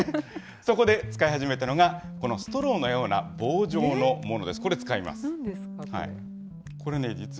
そこで使い始めたのが、このストローのような棒状のものです。